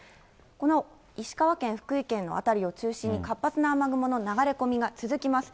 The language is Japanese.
この石川県、福井県の辺りを中心に、活発な雨雲の流れ込みが続きます。